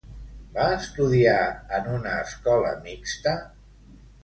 Va estudiar en una escola mixta?